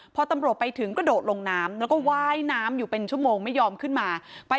พอตำรวจไปถึงกระโดดลงน้ำแล้วก็ว่ายน้ำอยู่เป็นชั่วโมงไม่ยอมขึ้นมา